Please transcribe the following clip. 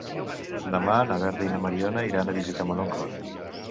Demà na Berta i na Mariona iran a visitar mon oncle.